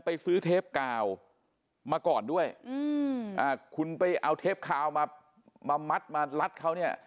ไปซื้อเทพกาวมาก่อนด้วยเอาเทพกาวมามัดมารันของเขานี่